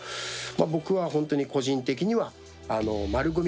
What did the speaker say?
僕は本当に個人的にはまるごみ